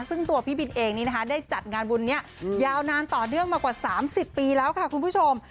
ซึ่งตัวพี่บินเองนี้นะคะได้จัดงานบุญนี้ยาวนานต่อเนื่องมากว่า๓๐ปีแล้วค่ะคุณผู้ชม